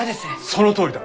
そのとおりだ！